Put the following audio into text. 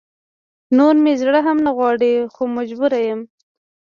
نور مې زړه هم نه غواړي خو مجبوره يم